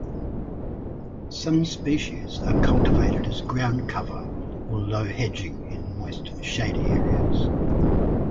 Some species are cultivated as groundcover or low hedging in moist, shady areas.